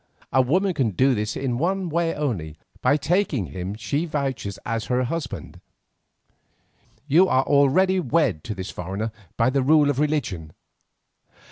A woman can do this in one way only, by taking him she vouches as her husband. You are already wed to this foreigner by the rule of religion.